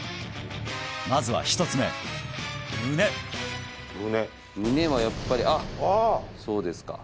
まずは１つ目胸胸胸はやっぱりあっそうですか